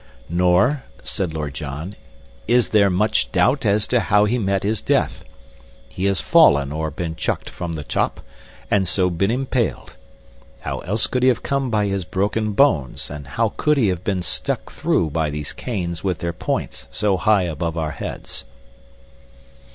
"Nor," said Lord John, "is there much doubt as to how he met his death. He has fallen or been chucked from the top, and so been impaled. How else could he come by his broken bones, and how could he have been stuck through by these canes with their points so high above our heads?"